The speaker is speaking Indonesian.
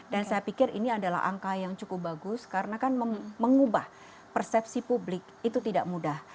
dan saya pikir ini adalah angka yang cukup bagus karena kan mengubah persepsi publik itu tidak mudah